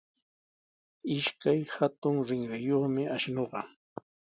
Ishkay hatun rinriyuqmi ashnuqa.